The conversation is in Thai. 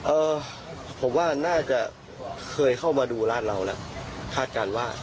เอ่อผมว่าน่าจะเคยเข้ามาดูร้านเราแล้วคาดการณ์ว่า